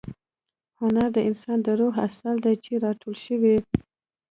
هنر د انسان د روح عسل دی چې را ټول شوی.